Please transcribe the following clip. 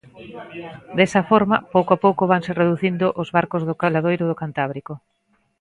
Desa forma, pouco a pouco vanse reducindo os barcos do caladoiro do Cantábrico.